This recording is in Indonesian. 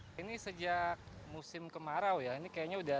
mungkin surut agak sedikit bau ya